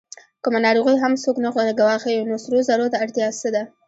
کومه ناروغي هم څوک نه ګواښي، نو سرو زرو ته اړتیا څه ده؟